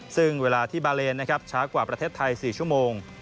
ซึ่งเวลาที่บาเลนนะครับช้ากว่าประเทศไทย๔ชั่วโมง